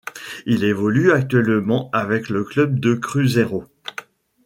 Il évolue actuellement avec le club de Cruzeiro.